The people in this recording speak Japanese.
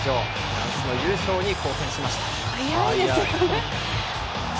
フランスの優勝に貢献しました。